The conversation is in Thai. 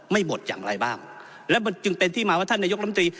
บทอย่างไรบ้างแล้วมันจึงเป็นที่มาว่าท่านนายกรรมตรี